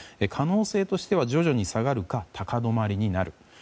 可能性としては徐々に下がるか高止まりになる。